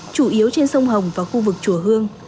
chủ yếu trên sông hồng và khu vực chùa hương